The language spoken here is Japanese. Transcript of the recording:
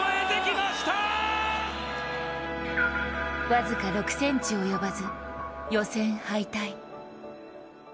僅か６ｃｍ及ばず、予選敗退。